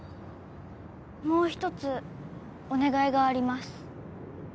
もう一つお願いがあります